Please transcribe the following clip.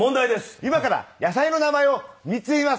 今から野菜の名前を３つ言います。